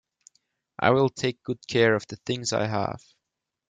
I will take good care of the things I have.